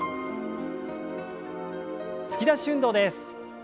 突き出し運動です。